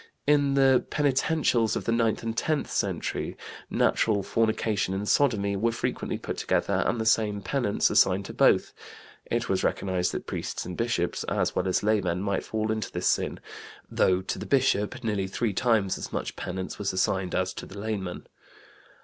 In the Penitentials of the ninth and tenth centuries "natural fornication and sodomy" were frequently put together and the same penance assigned to both; it was recognized that priests and bishops, as well as laymen, might fall into this sin, though to the bishop nearly three times as much penance was assigned as to the layman.